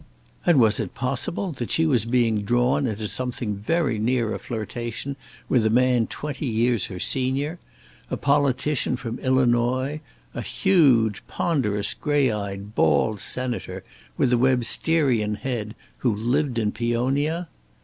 And was it possible that she was being drawn into something very near a flirtation with a man twenty years her senior; a politician from Illinois; a huge, ponderous, grey eyed, bald senator, with a Websterian head, who lived in Peonia?